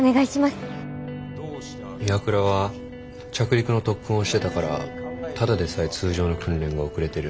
岩倉は着陸の特訓をしてたからただでさえ通常の訓練が遅れてる。